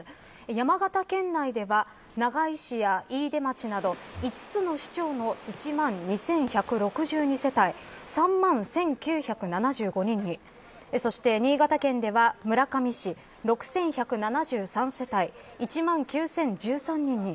山形県内では長井市や飯豊町など５つの市町の１万２１６２世帯３万１９７５人にそして新潟県では村上市６１７３世帯１万１９１３人に。